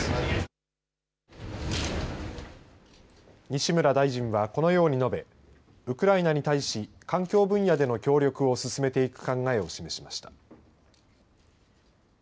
西村大臣は、このように述べウクライナに対し環境分野での協力を進めていく考えを示しました。